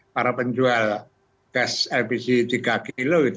para penjual gas lbc tiga kg